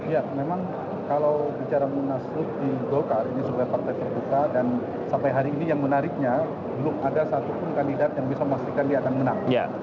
ya memang kalau bicara munaslup di golkar ini sebagai partai terbuka dan sampai hari ini yang menariknya belum ada satupun kandidat yang bisa memastikan dia akan menang